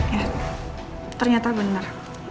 ya ternyata benar